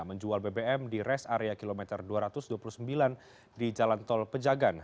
menjual bbm di res area kilometer dua ratus dua puluh sembilan di jalan tol pejagan